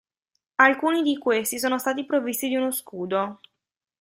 Alcuni di questi sono stati provvisti di uno scudo.